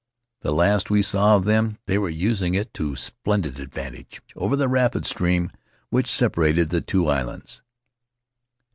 The last we saw of them they were using it to splendid advantage over the rapid stream which separated the two islands.